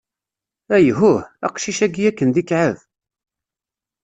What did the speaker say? Ayhuh!... aqcic-ayi akken d ikɛeb!